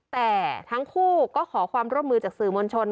แต่ทั้งคู่ก็ขอความร่วมมือจากสื่อมวลชน